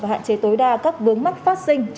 và hạn chế tối đa các vướng mắt phát sinh